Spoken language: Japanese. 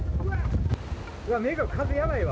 うわっ、目が風やばいわ！